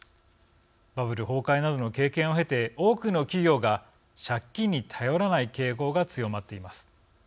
バブル崩壊などの経験を経て多くの企業が借金に頼らない傾向が強まっています。